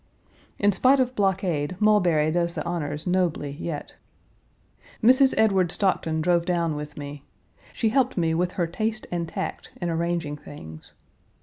In spite of blockade Mulberry does the honors nobly yet. Mrs. Edward Stockton drove down with me. She helped me with her taste and tact in arranging things.